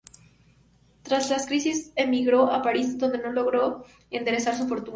Tras la crisis emigró a París, donde no logró enderezar su fortuna.